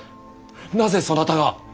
なぜそなたが。